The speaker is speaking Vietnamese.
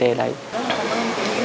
cũng rất là hy vọng